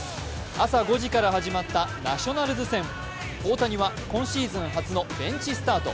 朝５時から始まったナショナルズ戦大谷は今シーズン初のベンチスタート。